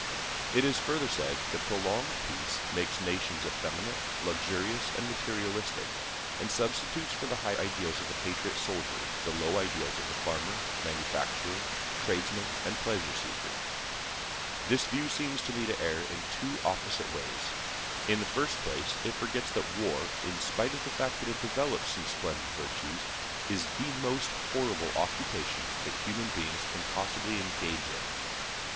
It is further said that prolonged peace makes nations effeminate, luxurious, and materialistic, and substitutes for the high ideals of the patriot soldier the low ideals of the farmer, manufacturer, tradesman, and pleasure seeker. This view seems to me to err in two opposite ways. In the first place, it forgets that war, in spite of the fact that it develops some splendid virtues, is the most horrible occupation that human beings can possibly engage in.